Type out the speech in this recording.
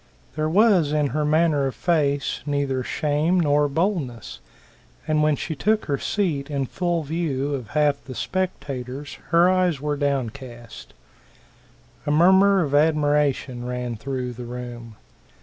There was in her manner or face neither shame nor boldness, and when she took her seat in full view of half the spectators, her eyes were downcast. A murmur of admiration ran through the room.